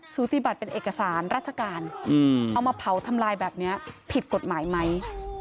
สูติบัติเป็นเอกสารราชการเอามาเผาทำลายแบบนี้ผิดกฎหมายไหม